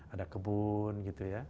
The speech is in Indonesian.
ada kebun gitu ya